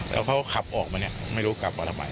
แล้วเขาขับออกมาเนี่ยไม่รู้กลับมาทำไม